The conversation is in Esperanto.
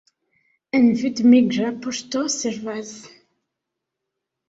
En Vid migra poŝto servas.